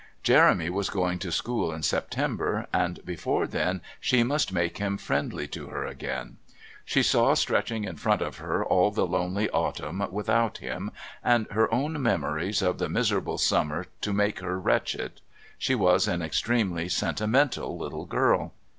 Jeremy was going to school in September, and before then she must make him friendly to her again. She saw stretching in front of her all the lonely autumn without him and her own memories of the miserable summer to make her wretched. She was an extremely sentimental little girl.